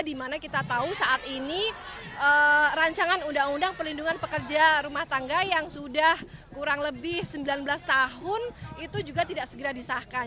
dimana kita tahu saat ini rancangan undang undang perlindungan pekerja rumah tangga yang sudah kurang lebih sembilan belas tahun itu juga tidak segera disahkan